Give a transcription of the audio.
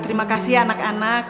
terima kasih anak anak